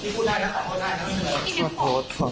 พี่พูดได้แล้วขอโทษได้แล้ว